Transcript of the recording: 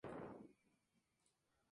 Tiene siete millones de horas en películas.